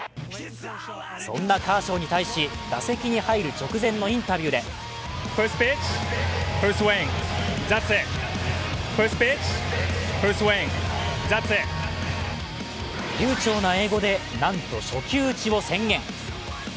そんなカーショーに対し、打席に入る直前のインタビューで流ちょうな英語でなんと初球打ちを宣言。